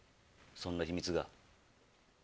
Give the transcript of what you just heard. そんな秘密が。